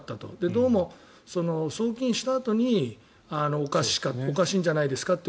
どうも送金したあとにおかしいんじゃないですかって。